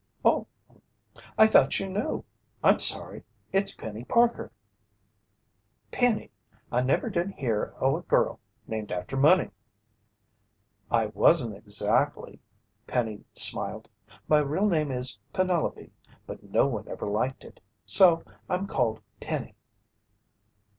"I thought you knew. I'm sorry. It's Penny Parker." "Penny! I never did hear o' a girl named after money." "I wasn't exactly," Penny smiled. "My real name is Penelope, but no one ever liked it. So I'm called Penny."